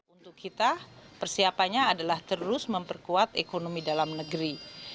untuk kita persiapannya adalah terus memperkuat ekonomi dalam negeri